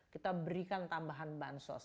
kita berikan tambahan bansos